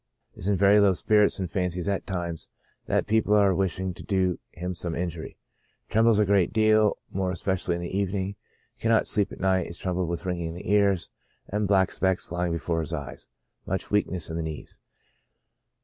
Is in very low spirits, and fancies at times that people are wishing to do him some injury. Trembles a great deal, more especially in the evening. Cannot sleep at night ; is troubled with ringing in the ears, and black specks flying before his eyes ; much weakness in the knees.